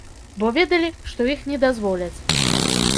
Бо ведалі, што іх не дазволяць.